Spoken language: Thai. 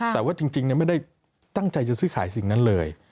แต่ว่าจริงไม่ได้ตั้งใจจะซื้อขายสิ่งนั้นเลย